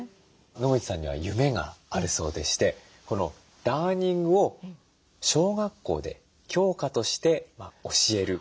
野口さんには夢があるそうでしてこのダーニングを小学校で教科として教える。